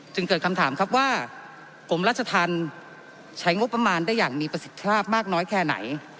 เกิดคำถามครับว่ากรมราชธรรมใช้งบประมาณได้อย่างมีประสิทธิภาพมากน้อยแค่ไหน